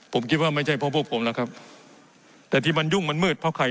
ผมคิดว่าไม่ใช่เพราะพวกผมแล้วครับแต่ที่มันยุ่งมันมืดเพราะใคร